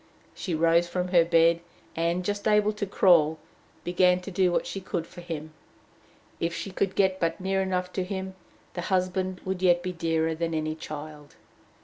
She rose from her bed, and, just able to crawl, began to do what she could for him. If she could but get near enough to him, the husband would yet be dearer than any child.